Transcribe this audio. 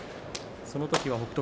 そのときは北勝